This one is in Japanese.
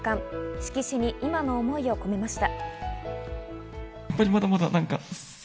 色紙に今の思いを込めました。